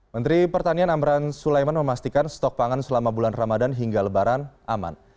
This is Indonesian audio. menteri pertanian amran sulaiman memastikan stok pangan selama bulan ramadan hingga lebaran aman